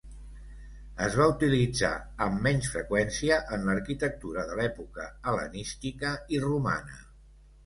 Es va utilitzar amb menys freqüència en l'arquitectura de l'època hel·lenística i romana.